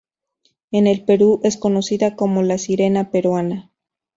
En el Perú es conocida como "la sirena peruana".